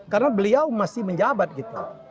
karena beliau masih menjabat gitu